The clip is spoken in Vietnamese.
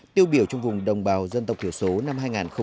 tiêu biểu trong vùng đồng bào dân tộc thiểu số năm hai nghìn một mươi sáu